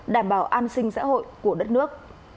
đảm bảo an sinh xã hội của đất nước